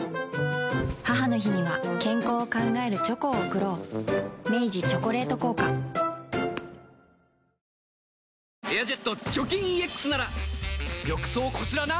母の日には健康を考えるチョコを贈ろう明治「チョコレート効果」「エアジェット除菌ＥＸ」なら浴槽こすらな。